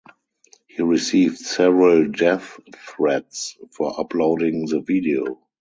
He received several death threats for uploading the video.